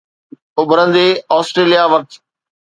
اڀرندي آسٽريليا وقت